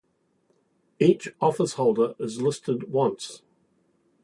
Each office-holder is listed once.